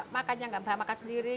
makannya gak makan sendiri